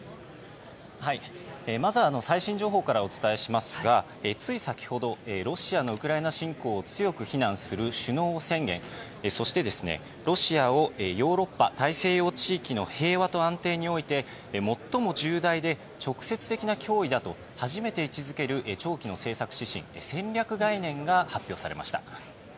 まず最新情報からお伝えしますがつい先ほどロシアのウクライナ侵攻を強く非難する首脳宣言そしてロシアをヨーロッパ大西洋地域の最も重大で直接的な脅威だと初めて位置付ける長期の政策指針戦略概念が発表されました。